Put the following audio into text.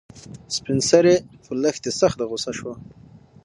سپین سرې په لښتې سخته غوسه شوه.